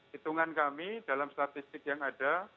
hitungan kami dalam statistik yang ada